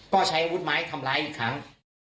ก็ใช้อาวุธไม้ทำร้ายอีกครั้ง